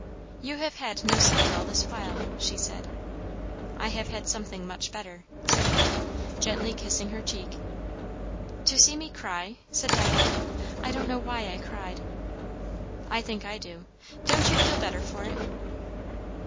"You have had no supper all this while!" she said. "I have had something much better," said he, gently kissing her cheek. "To see me cry?" said Diana. "I don't know why I cried." "I think I do. Don't you feel better for it?"